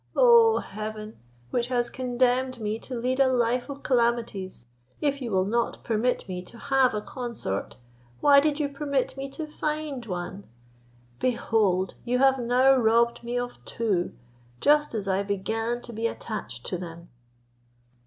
O Heaven! which has condemned me to lead a life of calamities, if you will not permit me to have a consort, why did you permit me to find one? Behold you have now robbed me of two, just as I began to be attached to them."